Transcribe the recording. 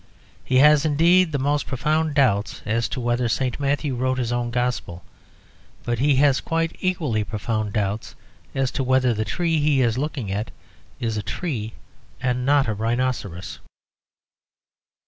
He has indeed the most profound doubts as to whether St. Matthew wrote his own gospel. But he has quite equally profound doubts as to whether the tree he is looking at is a tree and not a rhinoceros.